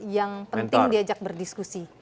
yang penting diajak berdiskusi